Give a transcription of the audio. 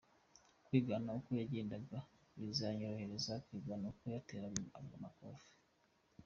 kwigana uko yagendaga, bizanyorohereza kwigana uko yateraga amakofe.